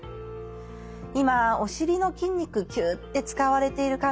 今お尻の筋肉キュッて使われている感覚